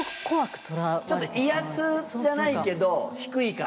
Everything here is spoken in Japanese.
ちょっと威圧じゃないけど低いから。